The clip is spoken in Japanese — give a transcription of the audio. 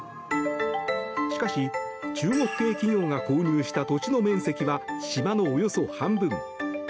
しかし、中国系企業が購入した土地の面積は島のおよそ半分。